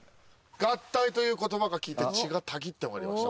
合体ということばを聞いて、血がたぎってまいりました。